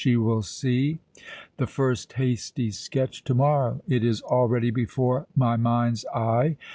She will see the first hasty sketch to morrow. It is already before my mind's eye.